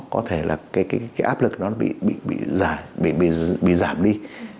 có thể là cái áp lực nó bị giảm đi